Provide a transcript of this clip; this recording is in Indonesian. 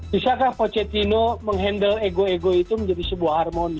bisakah pocetino menghandle ego ego itu menjadi sebuah harmoni